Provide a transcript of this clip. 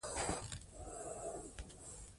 تاریخ چې ورک دی، باید پیدا سي.